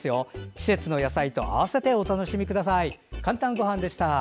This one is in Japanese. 季節の野菜と合わせてお楽しみください。